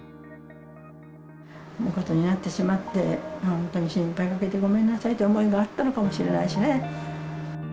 こんなことになってしまって、本当に心配かけてごめんなさいっていう思いがあったのかもしれな